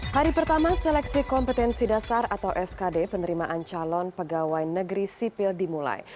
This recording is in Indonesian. hari pertama seleksi kompetensi dasar atau skd penerimaan calon pegawai negeri sipil dimulai